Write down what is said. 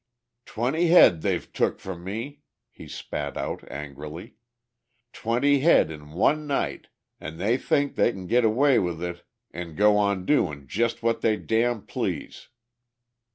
"Twenty head they've took from me," he spat out angrily. "Twenty head in one night an' they think they c'n git away with it an' go on doin' jest what they damn please!"